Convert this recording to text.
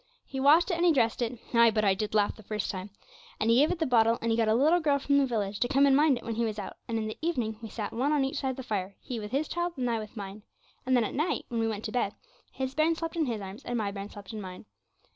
He washed it and he dressed it, ay, but I did laugh the first time, and he gave it the bottle, and he got a little girl from the village to come and mind it when he was out, and in the evening we sat one on each side of the fire, he with his child, and I with mine; and then at night, when we went to bed, his bairn slept in his arms, and my bairn slept in mine.